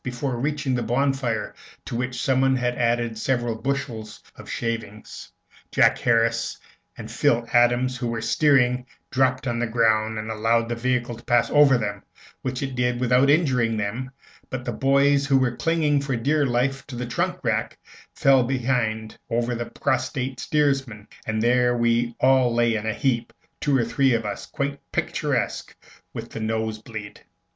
Before reaching the bonfire, to which someone had added several bushels of shavings, Jack Harris and Phil Adams, who were steering, dropped on the ground, and allowed the vehicle to pass over them, which it did without injuring them; but the boys who were clinging for dear life to the trunk rack behind fell over the prostrate steersman, and there we all lay in a heap, two or three of us quite picturesque with the nose bleed.